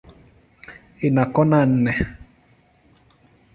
Ina kona nne.